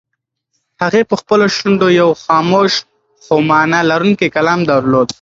هغې په خپلو شونډو یو خاموش خو مانا لرونکی کلام درلود.